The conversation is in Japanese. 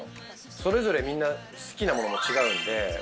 それぞれみんな好きなもの違うんで。